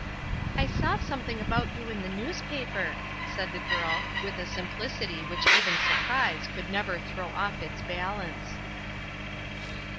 "I saw something about you in a newspaper," said the girl, with a simplicity which even surprise could never throw off its balance.